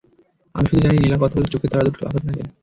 আমি শুধু জানি, নীলা কথা বললে চোখের তারা দুটো লাফাতে থাকে।